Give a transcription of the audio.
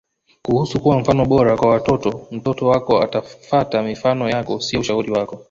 Kuhusu kuwa mfano bora kwa watoto Mtoto wako atafata mifano yako sio ushauri wako